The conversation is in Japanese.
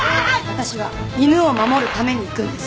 私は犬を守るために行くんです。